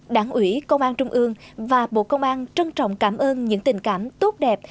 đảng ủy công an trung ương và bộ công an trân trọng cảm ơn những tình cảm tốt đẹp